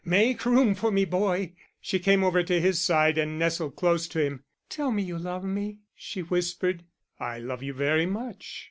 Make room for me, boy." She came over to his side and nestled close to him. "Tell me you love me," she whispered. "I love you very much."